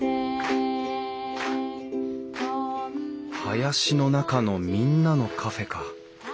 「林の中のみんなのカフェ」か。